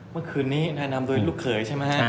เมื่อคืนนี้แนะนำโดยลูกเขยใช่ไหมฮะ